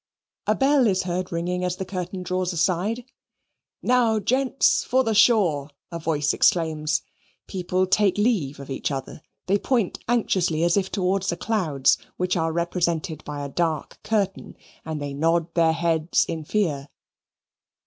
A bell is heard ringing as the curtain draws aside. "Now, gents, for the shore!" a voice exclaims. People take leave of each other. They point anxiously as if towards the clouds, which are represented by a dark curtain, and they nod their heads in fear.